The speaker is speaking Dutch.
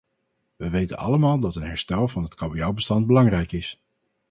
We weten allemaal dat een herstel van het kabeljauwbestand belangrijk is.